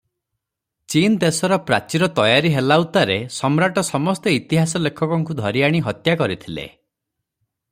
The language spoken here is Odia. ଚୀନ୍ ଦେଶର ପ୍ରାଚୀର ତୟାରୀ ହେଲା ଉତ୍ତାରେ ସମ୍ରାଟ ସମସ୍ତ ଇତିହାସ ଲେଖକଙ୍କୁ ଧରିଆଣି ହତ୍ୟା କରିଥିଲେ